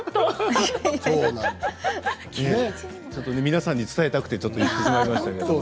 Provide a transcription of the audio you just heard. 皆さんに伝えたくてちょっと言ってしまいましたけども。